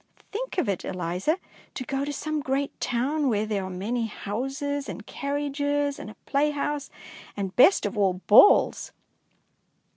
Think of it, Eliza, to go to some great town where there are many houses and carriages, and a play house, and, best of all, balls!